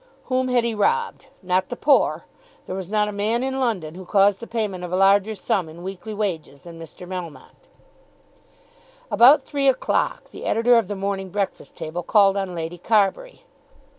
Whom had he robbed? Not the poor. There was not a man in London who caused the payment of a larger sum in weekly wages than Mr. Melmotte. About three o'clock, the editor of the "Morning Breakfast Table" called on Lady Carbury.